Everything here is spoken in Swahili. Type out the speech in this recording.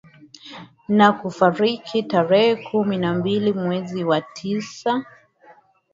Na kufariki tarehe kumi na mbili mwezi wa tisa